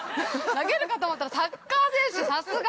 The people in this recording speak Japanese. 投げるかと思ったらサッカー選手、さすが。